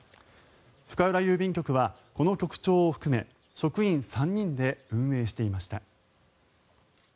深浦郵便局はこの局長を含め職員３人で運営していました。